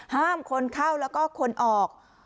ห้ามคนเข้าแล้วก็คนออก